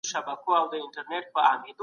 کتابونه ولیکئ.